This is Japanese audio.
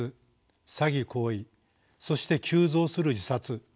詐欺行為そして急増する自殺。